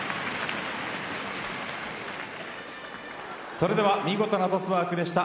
それでは見事なトスワークでした。